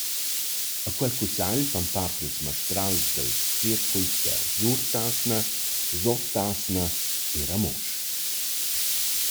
A quel cussagl fan part ils mastrals dals circuls da Surtasna, Suottasna e Ramosch.